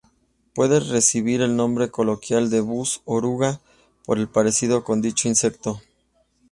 Puede recibir el nombre coloquial de "bus oruga" por el parecido con dicho insecto.